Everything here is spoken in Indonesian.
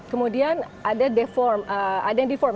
kemudian ada yang deform